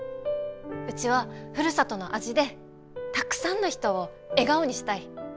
うちはふるさとの味でたくさんの人を笑顔にしたい。